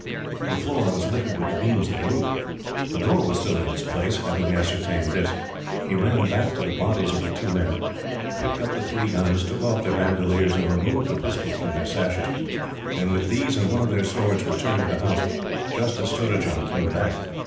The floor was littered with the beams of the roof. The door was still in its place. Having ascertained this, he ran back to the bodies of the two men, picked up the three guns, took off their bandoliers, and removed the pistols from their sashes; and with these, and one of their swords, returned to the house, just as Surajah came back.